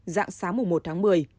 dạng sáng mùa một tháng một mươi